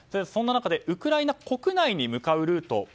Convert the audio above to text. そんな中でウクライナ国内に向かうルート